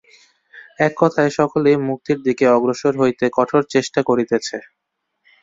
এক কথায় সকলেই মুক্তির দিকে অগ্রসর হইতে কঠোর চেষ্টা করিতেছে।